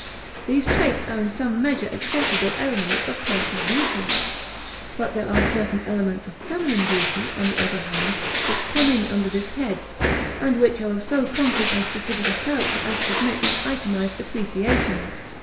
These traits are in some measure accepted as elements of personal beauty. But there are certain elements of feminine beauty, on the other hand, which come in under this head, and which are of so concrete and specific a character as to admit of itemized appreciation.